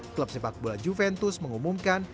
klub sepak bola juventus mengumumkan